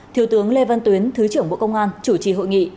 thiếu tướng lê văn tuyến thứ trưởng bộ công an chủ trì hội nghị